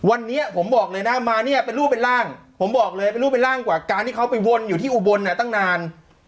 วันนี้ผมบอกเลยนะมาเนี่ยเป็นรูปเป็นร่างผมบอกเลยเป็นรูปเป็นร่างกว่าการที่เขาไปวนอยู่ที่อุบลเนี่ยตั้งนาน